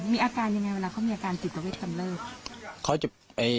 มีอาการยังไงเวลาเขามีอาการติดประเวทกำเริบ